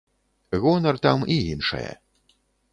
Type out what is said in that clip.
Гонар там і іншае.